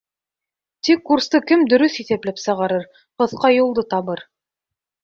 Тик курсты кем дөрөҫ иҫәпләп сығарыр, ҡыҫҡа юлды табыр?